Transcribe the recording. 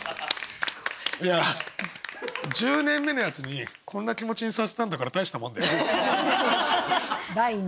１０年目のやつにこんな気持ちにさせたんだから大したもんだよ。